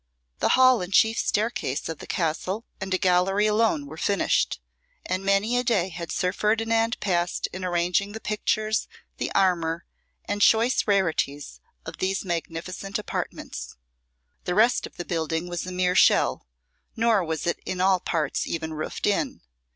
The hall and chief staircase of the castle and a gallery alone were finished, and many a day had Sir Ferdinand passed in arranging the pictures, the armour, and choice rarities of these magnificent apartments. The rest of the building was a mere shell; nor was it in all parts even roofed in.